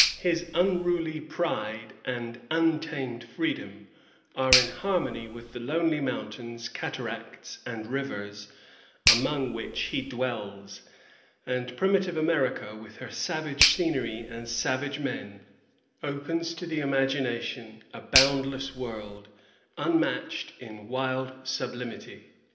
His unruly pride and untamed freedom are in harmony with the lonely mountains, cataracts, and rivers among which he dwells; and primitive America, with her savage scenery and savage men, opens to the imagination a boundless world, unmatched in wild sublimity.